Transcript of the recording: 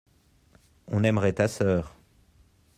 on aimerait ta sœur.